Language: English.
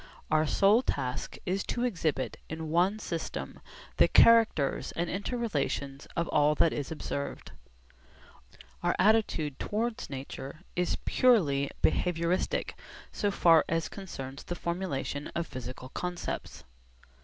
Our sole task is to exhibit in one system the characters and inter relations of all that is observed. Our attitude towards nature is purely 'behaviouristic,' so far as concerns the formulation of physical concepts.